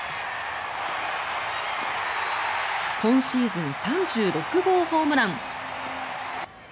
今シーズン３６号ホームラン。